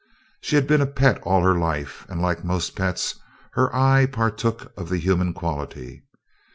She had been a pet all her life, and, like most pets, her eye partook of the human quality.